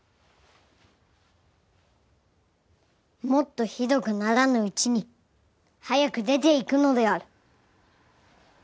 もっとひどくならぬうちに早く出て行くのである。